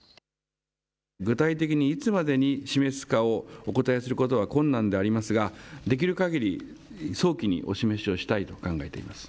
具体的にいつまでに示すかをお答えすることは困難でありますができるかぎり早期にお示しをしたいと考えています。